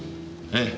ええ。